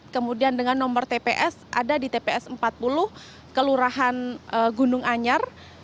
kemudian dengan nomor tps ada di tps empat puluh kelurahan gunung anyar